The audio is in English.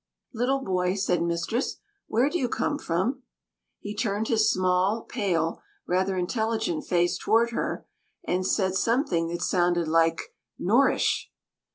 "Little boy," said mistress, "where do you come from?" He turned his small, pale, rather intelligent face toward her, and said something that sounded like "Gnorrish!"